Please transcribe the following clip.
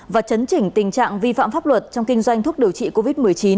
và chấn chỉnh tình trạng vi phạm pháp luật trong kinh doanh thuốc điều trị covid một mươi chín